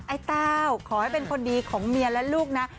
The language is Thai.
ไอ้เต้าขอให้เป็นคนดีของเมียและลูกนะ